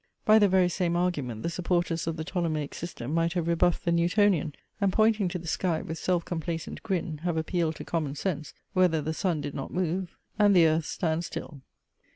By the very same argument the supporters of the Ptolemaic system might have rebuffed the Newtonian, and pointing to the sky with self complacent grin have appealed to common sense, whether the sun did not move and the earth stand still.